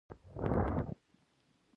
بيا هر انتقام يوه بل انتقام ته پوکی ورکوي.